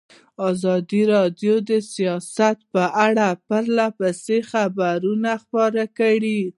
ازادي راډیو د سیاست په اړه پرله پسې خبرونه خپاره کړي.